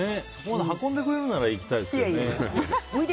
運んでくれるなら行きたいですけどね。